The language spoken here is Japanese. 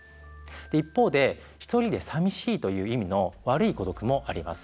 一方で、ひとりでさみしいという意味の悪い「孤毒」もあります。